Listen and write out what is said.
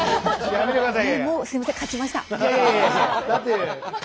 やめてください。